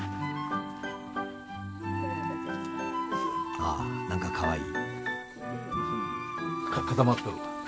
ああ何かかわいい。